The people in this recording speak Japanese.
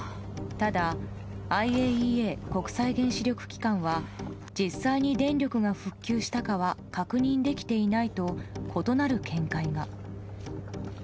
ただＩＡＥＡ・国際原子力機関は実際に電力が復旧したかは確認できていないと異なる見解が。